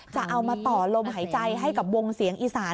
จะเอามาต่อลมหายใจให้กับวงเสียงอีสาน